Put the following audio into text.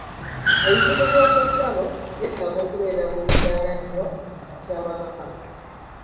Ebitundu by'okunsalo byetaaga okubeera bulindaala nnyo mu katyabaga kano.